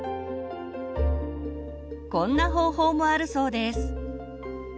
こんな方法もあるそうです。